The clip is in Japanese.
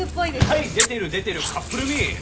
はい出てる出てるカップルみ！